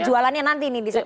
jualannya nanti nih